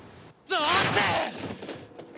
どうして！